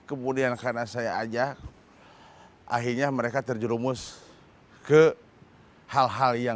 kemudian karena saya ajak akhirnya mereka terjerumus ke hal hal yang